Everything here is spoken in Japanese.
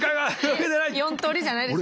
４通りじゃないですか。